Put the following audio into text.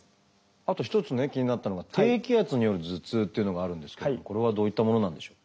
あと一つね気になったのが低気圧による頭痛というのがあるんですけどこれはどういったものなんでしょう？